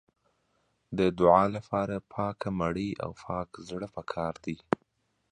د دعا لپاره پاکه مړۍ او پاک زړه پکار دی.